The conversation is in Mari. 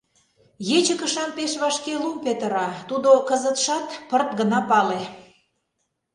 Ече кышам пеш вашке лум петыра, тудо кызытшат пырт гына пале.